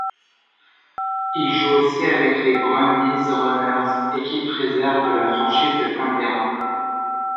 Il joue aussi avec les Brumbies Runners, équipe réserve de la franchise de Canberra.